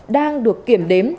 đang được kiểm đếm